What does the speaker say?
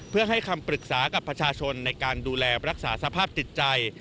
เพื่อให้คำปรึกษากับประชาชนในการดูแลรักษาสภาพจิตใจ